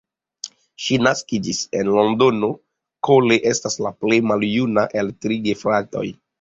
Ŝi naskiĝis en Londono, Cole estas la plej maljuna el tri gefratoj.